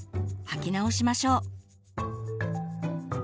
履き直しましょう。